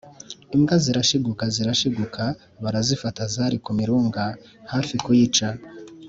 imbwa zirashiguka, zirashiguka barazifata zari ku mirunga hafi kuyica.